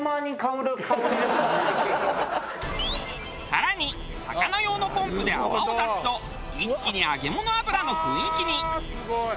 更に魚用のポンプで泡を出すと一気に揚げ物油の雰囲気に。